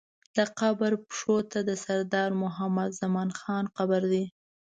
د قبر پښو ته د سردار محمد زمان خان قبر دی.